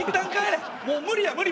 もう無理や。